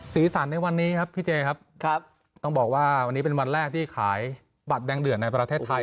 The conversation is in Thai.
สีสันในวันนี้ครับพี่เจครับครับต้องบอกว่าวันนี้เป็นวันแรกที่ขายบัตรแดงเดือดในประเทศไทย